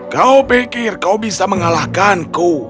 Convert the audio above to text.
kau pikir kau bisa mengalahkanku